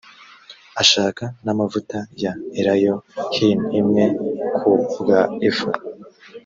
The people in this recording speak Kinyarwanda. ashaka n amavuta ya elayo hini imwe ku bwa efa